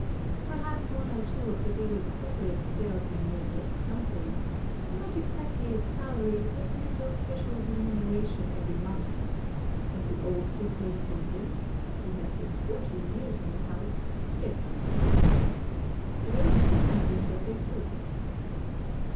" Perhaps one or two of the very cleverest salesmen may get something, — not exactly a salary, but a little special remuneration every month ; and the old superintendent — (he has been forty years in the house) — gets a salary. The rest get nothing but their food."